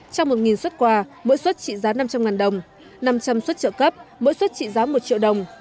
trong một suất quà mỗi suất trị giá năm trăm linh đồng năm trăm linh suất trợ cấp mỗi suất trị giá một triệu đồng